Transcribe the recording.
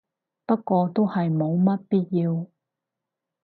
不過都係冇乜必要